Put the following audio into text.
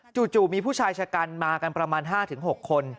จู่มีผู้ชายชะกันมากันประมาณ๕๖คน